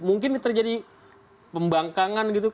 mungkin terjadi pembangkangan gitu